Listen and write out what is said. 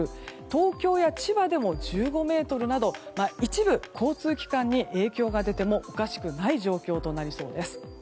東京や千葉でも１５メートルなど一部、交通機関に影響が出てもおかしくない状況となりそうです。